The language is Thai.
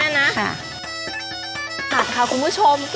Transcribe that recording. แล้วเราก็ใส่น้ำลงไปเลยค่ะ